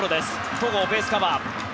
戸郷がベースカバー。